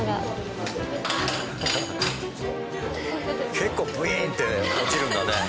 結構グインッて落ちるんだね。